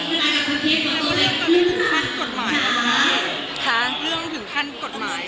เรื่องถึงท่านกฎหมายแล้วนะเอก